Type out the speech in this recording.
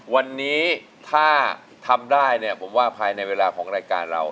วันนี้ถ้าทำได้เนี่ยผมว่าภายในเวลาของรายการเรา